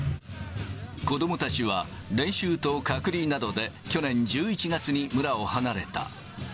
子どもたちは、練習と隔離などで、去年１１月に村を離れた。